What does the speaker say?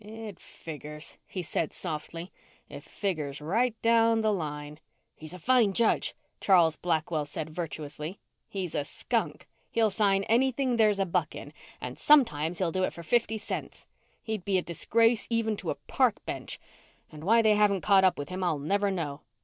"It figures," he said softly. "It figures right down the line." "He's a fine judge," Charles Blackwell said virtuously. "He's a skunk. He'll sign anything there's a buck in, and sometimes he'll do it for fifty cents. He'd be a disgrace even to a park bench, and why they haven't caught up with him I'll never know."